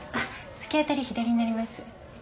突き当たり左になります。